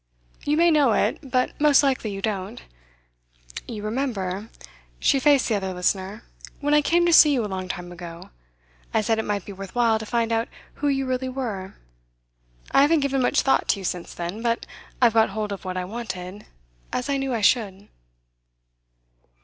You may know it, but most likely you don't. You remember,' she faced the other listener, 'when I came to see you a long time ago, I said it might be worth while to find out who you really were. I haven't given much thought to you since then, but I've got hold of what I wanted, as I knew I should.